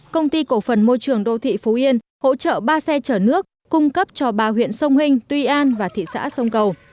công ty cổ phần môi trường đô thị phú yên hỗ trợ ba xe chở nước cung cấp cho ba huyện sông hinh tuy an và thị xã sông cầu